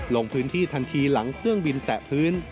ลงพื้นที่ทันทีหลังเครื่องบินแตะพื้น